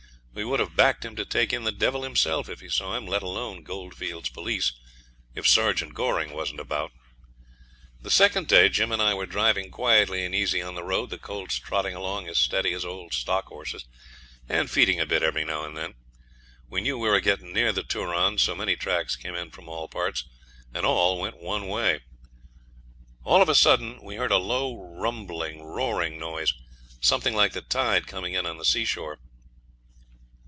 We would have backed him to take in the devil himself, if he saw him, let alone goldfields police, if Sergeant Goring wasn't about. The second day Jim and I were driving quietly and easy on the road, the colts trotting along as steady as old stock horses, and feeding a bit every now and then. We knew we were getting near the Turon, so many tracks came in from all parts, and all went one way. All of a sudden we heard a low rumbling, roaring noise, something like the tide coming in on the seashore.